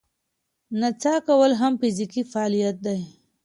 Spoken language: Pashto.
نڅا کول هم فزیکي فعالیت دی.